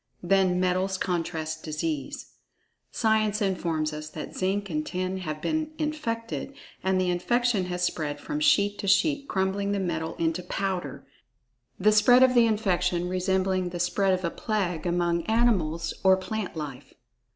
Then metals contract disease. Science informs us that zinc and tin have been infected, and the infection has spread from sheet to sheet crumbling the metal into powder—the spread of the infection resembling the spread of a plague among animals or plant life.